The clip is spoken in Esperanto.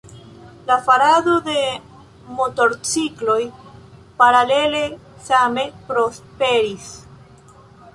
La farado de motorcikloj paralele same prosperis.